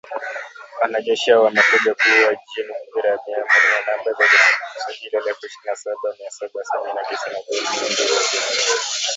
Wanajeshi hao wametajwa kuwa Jean Pierre Habyarimana mwenye namba za usajili elfu ishirini na saba mia saba sabini na tisa na John Muhindi Uwajeneza.